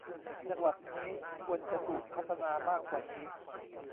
จังหวัดนี้ควรจะถูกพัฒนามากกว่านี้